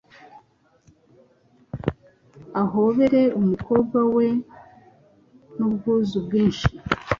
Ahobere umukobwa we n’ubwuzu bwinshi